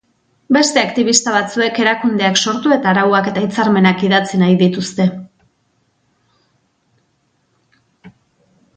Beste aktibista batzuek erakundeak sortu eta arauak eta hitzarmenak idatzi nahi dituzte.